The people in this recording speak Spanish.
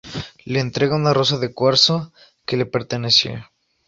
Le entrega una rosa de cuarzo que le pertenecía.